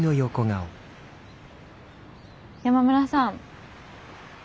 山村さん。